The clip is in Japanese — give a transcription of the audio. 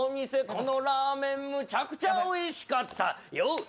このラーメンむちゃくちゃおいしかった、よっ、